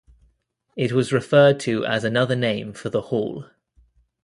It was referred to as another name for the hall.